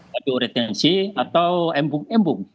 waduk retensi atau embung embung